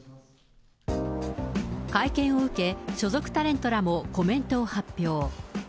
会見を受け、所属タレントらもコメントを発表。